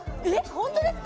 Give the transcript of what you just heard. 本当ですか？